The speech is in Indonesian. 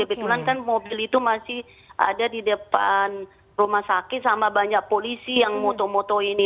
kebetulan kan mobil itu masih ada di depan rumah sakit sama banyak polisi yang moto moto ini